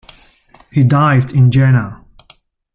He died in Jena.